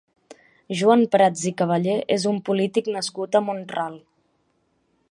Joan Prats i Cavallé és un polític nascut a Mont-ral.